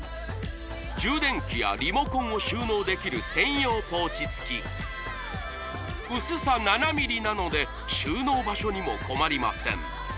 充電器やリモコンを収納できる専用ポーチ付き薄さ７ｍｍなので収納場所にも困りません